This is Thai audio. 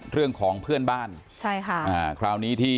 เรื่องของเพื่อนบ้านคราวนี้ใช่ค่ะ